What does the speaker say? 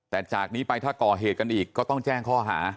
แต่จากนี้ไปถ้าก่อเหตุกันอีกก็ต้องแจ้งข้อหา